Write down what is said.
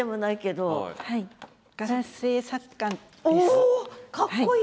おかっこいい。